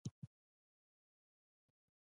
د مغولو امپراطور په سترګه کتل.